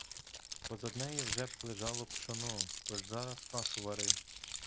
Позад неї вже б лежало пшоно: хоч зараз кашу вари!